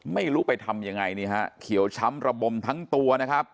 ไม่รู้ไปทำยังไงนี่ฮะเขียวช้ำระบมทั้งตัวนะครับ